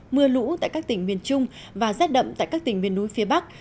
mưa lũ tại các tỉnh miền trung và rét đậm tại các tỉnh miền núi phía bắc